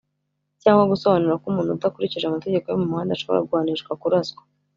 cyangwa gusobanura ko umuntu udakurikije amategeko yo mumuhanda ashobora guhanishwa kuraswa